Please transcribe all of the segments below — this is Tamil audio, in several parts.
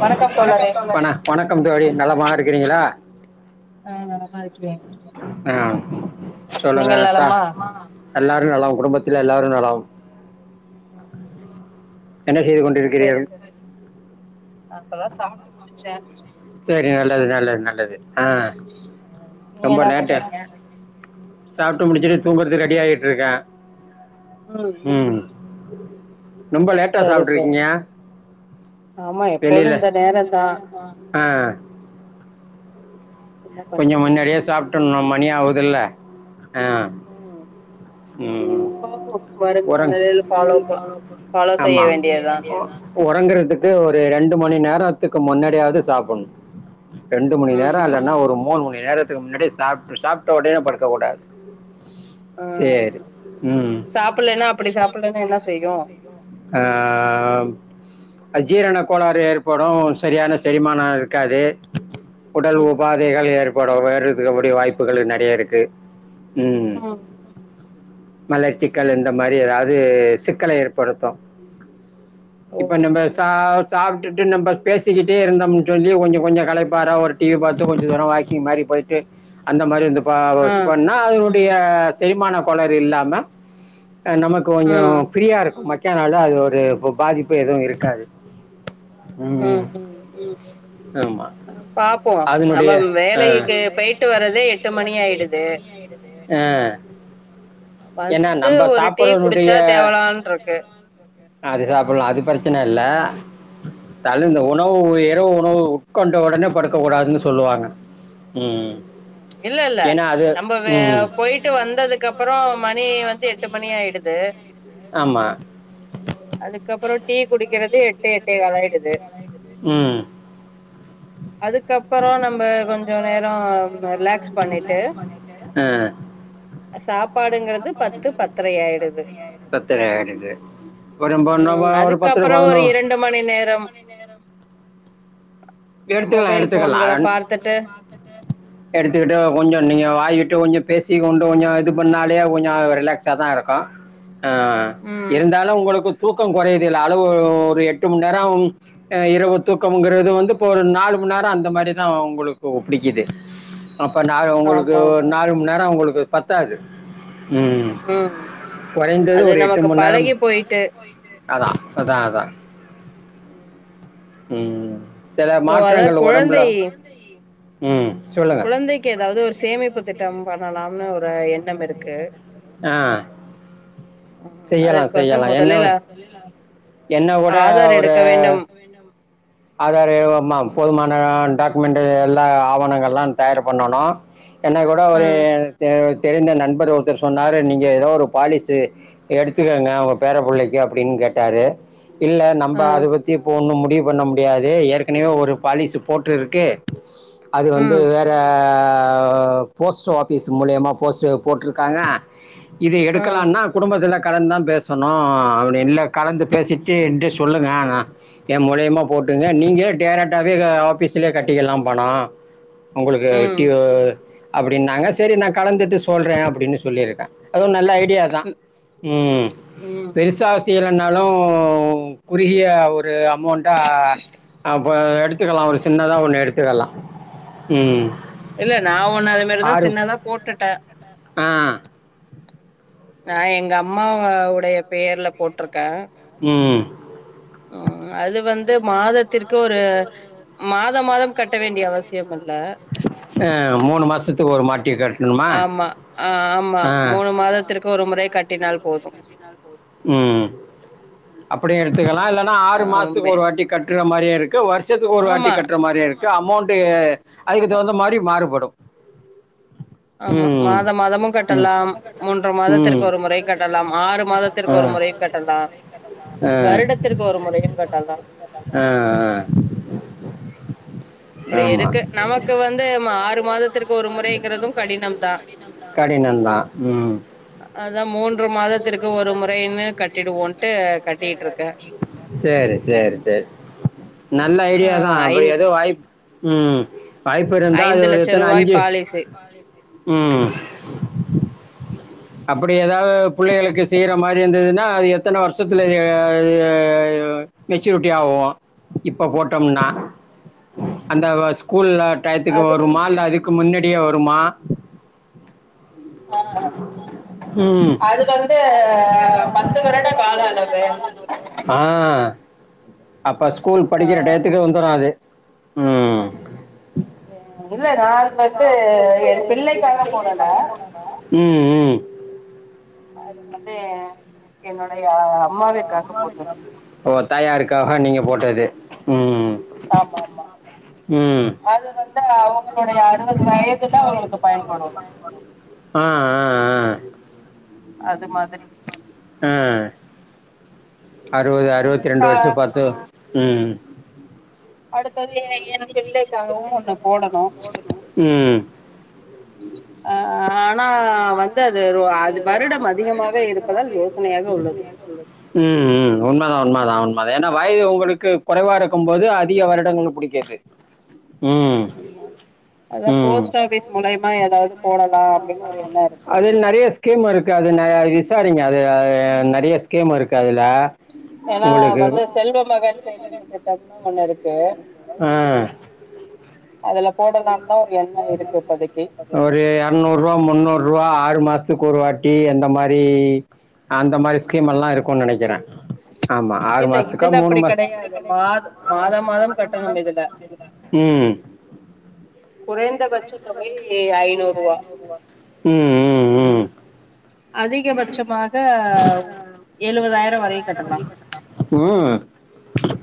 வணக்கம் தோழரே வண வணக்கம் தோழி நலமா இருக்கிறீங்களா ஆ நலமா இருக்கே ஆ சொல்லுங்க நீங்கள் ச நலமா எல்லாரு நல குடும்பத்துல எல்லாரு நலம் என்ன ஆ செய்து சரி கொண்டிருக்கிறீர்கள் சரி நா இப்பதா சாப்டு முடிச்சே செரி நல்லது நல்லது நல்லது ஆ நீங்க ரொம்ப என்ன லேட்ட பண்றீங்க சாப்ட்டு முடிச்சுட்டு தூங்குறக்கு ரெடி ஆயிட்ருக்கா ம் ரொம்ப லேட்டா சரி சரி சாப்ட்டுருக்கீங்க ஆமா எப்போது வெளில இந்த நேரந்தா ஆ என்ன கொஞ்ச பண்றது முன்னாடியே சாப்டணு மணி ஆகுதுல்ல ஆ ம் ம் ஆ பாப்போ ஒரங் வருங்காலல ஃபாலோ ப ஃபாலோ செய்ய ஆமா வேண்டியதா ஒறங்குறதுக்கு ஒரு ரெண்டு மணி நேரத்துக்கு முன்னாடியாவது சாப்புணு ரெண்டு மணி ம் நேரோ இல்லன்னா ஒரு மூணு மணி நேரத்துக்கு முன்னாடி சாப்டு சாப்ட்ட ஒடனே படுக்க கூடாது ஆ சேரி ம் சாப்புட்லன்னா அப்டி சாப்புட்லன்னா என்ன செய்யு ஆ ம் அஜீரண கோளாறு ஏற்படு சரியான செரிமான இருக்காது உடல் ம் உபாதைகள் ஏற்படு வேருதுகுடய வாய்ப்புகள் நெறைய இருக்கு ம் மலைச்சிக்கல் இந்த மாரி ஏதாவது சிக்கல ஏற்படுத்து ஓ இப்ப நம்ப சா சாப்ட்டுட்டு நம்ம பேசிக்கிட்டே இருந்தம்ன் சொல்லி கொஞ்ச கொஞ்ச களைப்பாரா ஒரு டி வி பாத்து கொஞ் ச தூரோ வாக்கிங் மாரி போயிட்டு அந்த மாரி இந்த ஆ பாவச் பண்ணா அ அதனுடைய செரிமான கொளறு இல்லாம நமக்கு கொஞ்ச ம் ஃப்ரீயா இருக்கு மைக்கானாளு அது ஒரு பாதிப்பு எதுவு இருக்காது ம் ம் ஆமா பாப்போ நம்ம அதனுடைய ஆ வேலைக்கு போயிட்டு வர்றதே எட்டு மணி ஆயிடுது ஆ ஏன்னா வந்து நம்ம ஒரு டீ குடிச்சா சாப்பறதுனுடைய தேவலான்ருக்கு அது சாப்ல்லா அது பிரச்சன இல்ல தல இந்த ம் உணவு இரவு உணவு உ ட்கொண்ட ஒடனே படுக்க கூடாதுனு சொல்லுவாங்க ம் ஏன்னா அது ம் விட்டு வந்ததுக்கு அப்றோ மணி வந்து எட்டு மணி ஆயிடுது ஆம்மா அதுக்கப்றோ டீ குடிக்கறது எட்டு எட்டே காலாயிடுது ம் அதுக்கப்பறோ நம்ம கொஞ்ச நேரோ ரிலாக்ஸ் பண்ணிட்டு ஆ சாப்பாடுங்றது பத்து பத்தரையாயிடுது பத்தரையாயிடுது அப்றோ [unintelligible] ஒரு பத்தர பதனொ ண்டு மணி நேரம் மொபைல் ஃபோன்கள பார்த்துட்டு த்துட்டு எடுத்துக்கிட்டு கொஞ்சோ நீங்க வாயிட்டு கொஞ்ச பேசி கொண்டு கொஞ்ச இது பண்ணாலே அது கொஞ்ச ரிலாக்ஸா தா இருக்கு ஆ ம் இருந்தாலு உங்களுக்கு தூக்க கொறையலல அளவு ஒரு எட்டு மண் நேரம் இரவு தூக்கம்ங்கறது வந்து இப்ப ஒரு நாலு மண் நேர அந்த மாரிதா உங்களுக்கு புடிக்குது அப்போ நால உங்களுக்கு ஆமா ஒரு ஆமா நாலு மண் நேரோ உங்களுக்கு பத்தாது ம் ம் கொறைந்தது அது ஒரு எட்டு நமக்கு மண் நேரம் பழகி போயிட்டு அதா அதா அதா ம் சில சோ அதா மாற்றங்கள் உடம்புல குழந்தை ம் சொல்லுங்க குழந்தைக்கு ஏதாவது ஒரு சேமிப்பு திட்டம் பண்ணலாம்னு ஒரு எண்ணம் இருக்கு ஆ ம், செய்யலா அதற்கு வந்து செய்யலா என்ன முதலில் அ- என்னவுட ஆதார் ஒரு எடுக்க வேண்டும் ஆதாரு ம போதுமான டாக்குமெண்ட்டு எல்லா ஆவணங்கள்லா தயார் பண்ணணு என்ன கூட ஆ ஒரு தெ தெரிந்த நண்பர் ஒருத்தர் சொன்னாரு நீங்க ஏதோ ஒரு பாலிசு எடுத்துக்கங்க உங்க பேர புள்ளைக்கு அப்டின் கேட்டாரு இல்ல நம்ம ஆ அது பத் தி இப்ஒன்னு முடிவு பண்ண முடியாது ஏற்கனவே ஒரு பாலிசு போட்டுருக்கு அது வந்து ம் வேற போஸ்ட் ஆஃபீஸ் மூலியமா போஸ்ட்டு போட்ருக்காங்க இத ஆ எடுக்கலான்னா குடும்பத்துல கலந்தா பேசணு அப்டி இல்ல கலந்து பேசிட்டு என்ட்ட சொல்லுங்க நா ஏ மூலயமா போட்டுங்க நீங்க டேரெக்டாவே அ ஆஃபீஸ்லே கட்டிக்கலா பணோ உங்களுக்கு ம் டியூ அப்டின்னாங்க சரி நா கலந்துட்டு சொல்றே அப்டினு சொல்லிருக்கே அதூ நல்ல ஐடியா தா ம் ம் பெருசா செய்யலனாலு ஒ குறுகிய ஒரு அமௌண்டா அப்ப எடுத்துக்கலா ஒரு சின்னதா ஒண்ணு எடுத்துக்கலா ம் இல்ல நா ஒண்ணு அது மாரிதா ஆறு சின்னாதா போட்டுட்ட ஆ நா எங்க அம்மாவ உடைய பேர்ல போட்டுருக்க ம் ம் அது வந்து மாதத்திற்கு ஒரு மாதம் மாதம் கட்ட வேண்டிய அவசியம் இல்ல ஆ மூணு மாசத்துக்கு ஒரு மாட்டி கட்ணுமா ஆமா ஆ ஆமா மூணு மாதத்திற்கு ஒரு முறை கட்டினால் போது கட்டினால் போது ம் அப்டியு எடுத்துக்கலா இல்லன்னா ஆறு மாசத்துக்கு ஆமே ஒரு வாட்டி கட்ற மாரியே இருக்கு வருஷத்துக்கு ஒரு வாட்டி ஆமா கட்ற மாரியு இருக்கு அமௌண்ட்டு அதுக்கு ஆமா தகுந்த மாரி மாறுபடு ஆமா மாத மாதமு கட்டலா மூன்ற ம் மாதத்திற்கு ஒரு முறை கட்டலாம் ஆறு மாதத்திற்கு ஆ ஒரு முறை கட்டலா வருடத்திற்கு ஒரு முறையு கட்டலா ஆ ஆ ஆ அப்டி ஆமா இருக்கு நமக்கு வந்து ஆறு மாதத்திற்கு ஒரு முறைங்கிறதும் கடினம் தான் கடினம் தா ம் அதா மூன்று மாதத்திற்கு ஒரு முறைன்னு கட்டிடுவோன்ட்டு கட்டிட்டு இருக்க சேரி சேரி சேரி நல்ல ஆ ஐடியாதா ஐ அப்டி எதோ வாய்ப் ம் வாய்ப்பு இருந்தா அது ஐந்து ஒரு லட்ச எத்தன ரூபாய் அஞ்சு பாலிசி ம் அப்டி எதாது புள்ளைகளுக்கு செய்ற மாரி இருந்ததுன்னா எத்தன வருஷத்துல ஆ மெச்சூரிட்டி ஆவு இப்ப போட்டம்னா அந்த ஸ்கூல்ல டைத்துக்கு அது வருமா வந்து இல்ல அதுக்கு முன்னடி வருமா ஆ ம் அதுக்கு வந்து பத்து வருட கால அளவு ஆ அப்ப ஸ்கூல் ஆ படிக்கிற டைத்துக்கு வந்துரு அது ம் இல்லடா அது வந்து என் பிள்ளைக்காக போடல ம் ம் அது வந்து என்னுடைய அம்மாவிற்காக போட்டது ஓ தாயாருக்காக நீங்க போட்டது ம் ஆமா ஆமா ம் அது வந்து அவுங்களுடைய அறுவது வயதுல அவங்களுக்கு பயன்படும் ஆ ஆ அது மாதிரி அ அறுவது அறுவத்தி ரெண்டு கா வருஷோ பத்து ம் அடுத்தது எ எ எப்பிள்ளைக்காகவு ஒன்னு போடணு ம் அ அ ஆனா வந்து அது அது வருடம் அதிகமாக இருப்பதால் யோசனையாக உள்ளது [inaudible] ம் ம் உண்மதா உண்மதா உண்மதா ஏன்னா வயது உங்களுக்கு கொறைவா இருக்கு போது அதிக வருடங்கள் புடிக்குது ம்மா அதா ம் போஸ்ட் ஆபிஸ் மூலையமா எதாவுது போடலா அப்டின்னு ஒரு எண்ணோ இருக்கு அதில் நிறைய ஸ்கீம் இருக்கு அது ந விசாரிங்க அது நெறைய ஸ்கீம் இருக்கு அதுல ஏன்னா வந்து செல்வ மகன் சேமிப்பு திட்டம்னு ஒன்னுருக்கு அ அதுல போடலான் தா ஒரு எண்ணோ இருக்கு இப்போதைக்கி ஒரு எற்நூறுவா முன்னூறுவா ஆறு மாசத்துக்கு ஒரு வாட்டி அந்த மாரி அந்த மாரி ஸ்கீம் எல்லா இருக்கூன் நெனக்கிறே இல்ல இதுல அப்படி மாதம் கெடையாது மாத மாதம் மாதம் கட்டணும் இதுல ம் குறைந்தபட்ச தொகை ஐநூறுவா இதுவா ம் ம் ம் அதிகபட்சமாக எழுவதாயிரோ வரையு கட்டலா ம்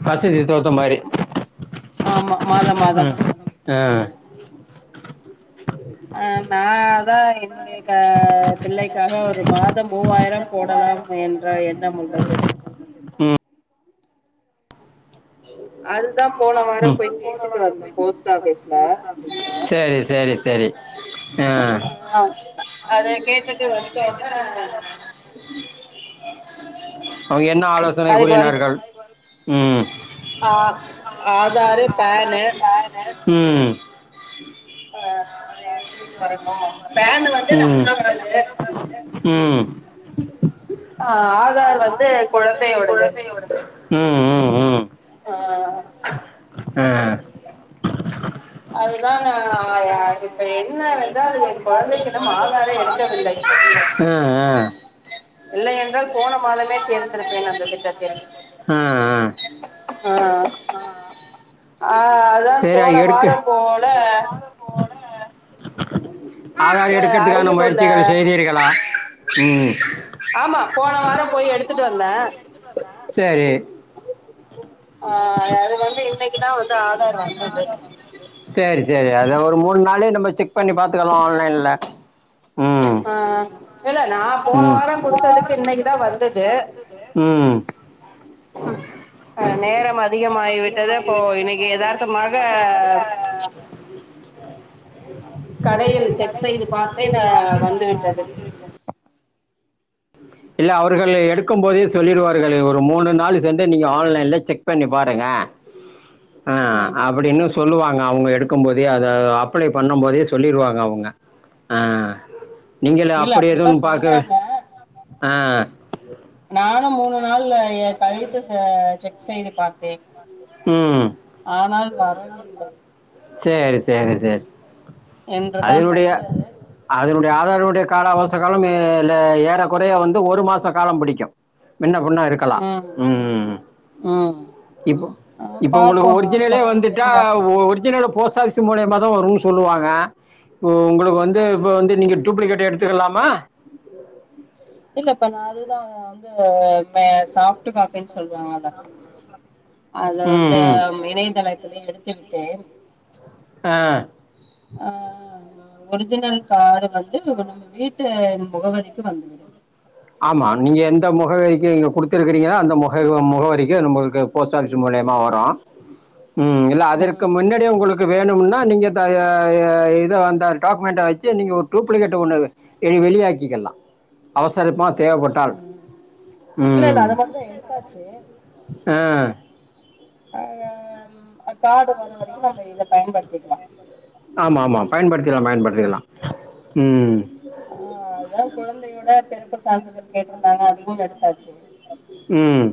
வசதி தோத்த மாரி ஆமா மாதம் மாதம் அ [inaudible] ஆ நா அதா என்னுடைய ஏ க பிள்ளைக்காக ஒரு மாதம் மூவாயிரம் போடலாம் என்ற எண்ணம் உள்ளது ம் அதுதா போன வாரோ அதுதா போய் கேட்டுட்டு வந்த போஸ்ட் ஆஃபீஸ்ல சரி சரி ஆ ஆ அத கேட்டுட்டு வந்தோன அவுங்க என்ன ஆலோசனை அதுக்கு வந்து கூறினார்கள் ம் ஆ ஆதாரு பேனு ம் ஆ அத எடுத்துகிட்டு வரனோ பேன் வந்து ம் நம்மலோடது ம் ஆ ஆதார் வந்து குழந்தையோடது ம் ம் ம் ஆ ஆ அதுதா நா இப்ப என்னவென்றால் அது என் குழந்தைக்கு இன்னும் ஆதாரை எடுக்கவில்லை [unintelligible] அ அ இல்லை என்றால் போன மாதமே சேர்த்திருப்பேன் அந்த திட்டத்தில் ஆ ஆ அ ஆ அதான் சரி போன அது எடுக்கு வாரோ போல ஆதார் அ எடுக்கிறதுக்கான அருகில் உள்ள மொயற்சிகள் செய்தீர்களா ம் ஆமா போன வாரம் போய் எடுத்துட்டு வந்தே செரி ஆ அது வந்து இன்னக்கி தா வந்து ஆதார் வந்தது சேரி சேரி அத ஒரு மூண் நாளே நம்ம செக் பண்ணி பாத்துக்கலா ஆன்லைன்ல ம் ஆ இல்ல நா போன ம் வாரோ குடுத்ததுக்கு இன்னக்கீ தா வந்துது ம் ம் ம் அ நேரம் அதிகமாய்விட்டது அப்போ இன்னைக்கி எதார்த்தமாக கடையில் செக் செய்து பார்த்தேன் அ வந்து விட்டது [unintelligible] இல்ல அவர்கள் எடுக்கும்போதே சொல்லிடுவார்கள் இது ஒரு மூணு நாளு சென்று நீங்க ஆன்லைன்ல செக் பண்ணி பாருங்க அ ம் அப்டின் சொல்லுவாங்க அவங்க எடுக் க்கு போதே அத அப்ளை பண்ணு போதே சொல்லிருவாங்க அவங்க ஆ நீங்கள் இல்ல அப்படி அப்டித்தா எதுன் பாக்க சொன்னாங்க ஆ நானு மூணு நாள்ல எ கழுத்து ச செக் செய்து பாத்தேன் ம் ஆனால் வரவில்லை சேரி சேரி சேரி அது என்றுதான் எப்டியோ வந்தது அதனுடைய ஆதாரனுடைய கால அவகாச காலம் ஏ லே ஏற குறைய வந்து ஒரு மாச காலம் பிடிக்கு மின்ன புன்ன இருக்கலா ம் ம் இப்ப ஆ இப்ப உங்களுக்கு பார்ப்போம் அடுத்த ஒரிஜினலே வாரம் வந்துட்டா எதுவா ஒரிஜினலலு போஸ்ட் ஆஃபீஸ் மூலியமா தா வரு சொல்லுவாங்க போ உங்களுக்கு வந்து இப்ப வந்து நீங்க டூப்ளிகேட் எடுத்துக்கலாமா இல்லப்ப நா அதுதா வந்து சாஃப்ட் காப்பின்னு சொல்லுவாங்கல்ல [inaudible] அத ம் வந்து ம் இணையதளத்துலயே எடுத்து விட்டேன் ஆ ஆ ஒரிஜினல் கார்டு வந்து நம்ம வீட்டு முகவரிக்கு வந்துவிடும் ஆமா நீங்க எந்த முகவரிக்கு நீங்க குடுத்திருக்கீங்கள அந்த முக முகவரி கு நம்மளுக்கு போஸ்ட் ஆஃபீஸ் மூலியமா வரு ம் இல்ல அதற்கு ம் முன்னாடியே உங்களுக்கு வேணும்னா நீங்க தயா அ ய இத அந்த டாக்குமெண்ட்ட வெச்சு நீங்க ஒரு டூப்ளிகேட் ஒன்ன வெ வெளி வெளியாக்கிக்கலா சருப்பா தேவப்பட் ம் இல்ல இல்ல அது மட்டு தா எடுத்தாச்சு ஆ ஆ கார்டு வர வரைக்கு நம்ம இத பயன்படுத்திக்லா ஆமாமா பயன்படுத்திக்லா பயன்படுத்திக்லா ம் ஆ அதுதா குழந்தையோட பிறப்பு சான்றிதழ் கேட்ருந்தாங்க அதுவு எடுத்தாச்சு ம்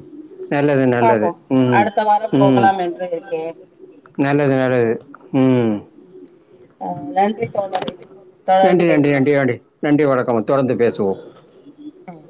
நல்லது நல்லது பாப்போம் ம் அடுத்த வாரம் ம் போகலாம் என்று இருக்கேன் நல்லது நல்லது ம் ம் நன்றி தோழரே தொடர்ந்து நன்றி, நன்றி, பேசுவோ நன்றி, நன்றி. நன்றி வணக்கம் தொடர்ந்து பேசுவோ ம்